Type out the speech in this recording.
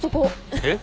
えっ？